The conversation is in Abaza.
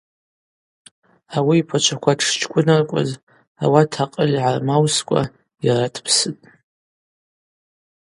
Ауи йпачваква шчкӏвыныркӏваз, ауат акъыль гӏармаускӏва йара дпсытӏ.